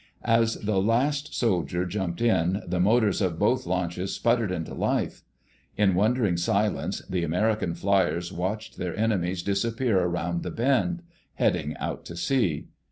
As the last soldier jumped in, the motors of both launches sputtered into life. In wondering silence the American fliers watched their enemies disappear around the bend, heading out to sea.